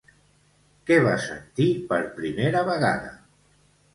Què va sentir per primera vegada?